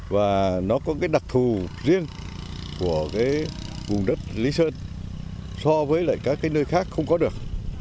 và nó có cái đặc thù riêng của cái vùng đất lý sơn so với lại các cái nơi khác không có được